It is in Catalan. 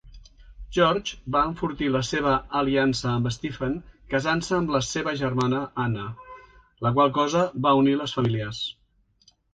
George va enfortir la seva aliança amb Stephen casant-se amb la seva germana Anna, la qual cosa va unir les famílies.